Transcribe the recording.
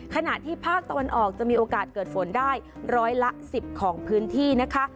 ขณะที่ภาคตะวันออกจะมีโอกาสเกิดฝนได้ร้อยละ๑๐ของพื้นที่นะคะ